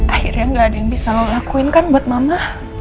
akhirnya gak ada yang bisa ngelakuin kan buat mama